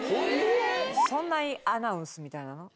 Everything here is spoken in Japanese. そんなアナウンスみたいなのが。